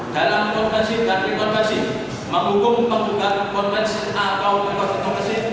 dalam rekonversi dan rekonversi menghukum penggugat konversi atau tugas rekonversi